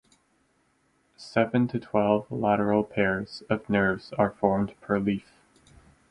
Seven to twelve lateral pairs of nerves are formed per leaf.